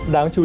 đáng chú ý